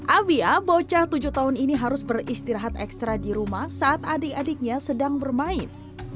abia bocah tujuh tahun ini harus beristirahat ekstra di rumah saat adik adiknya sedang bermain